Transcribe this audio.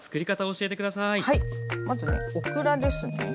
まずねオクラですね。